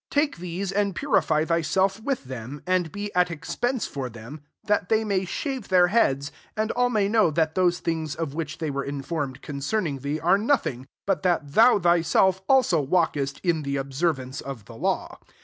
S4 take these and purify thyself ivith them, and be at expense for them, that they may shave their heads, and all may know that those things of which they were informed concerning thee are nothing, but that thou thy self also walkest in the observ ance of the law.